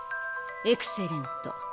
エクセレント。